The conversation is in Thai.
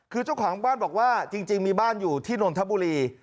คือเจ้าของบ้านบอกว่าจริงมีบ้านอยู่ที่นนทบุรี